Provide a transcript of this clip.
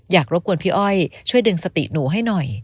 รบกวนพี่อ้อยช่วยดึงสติหนูให้หน่อย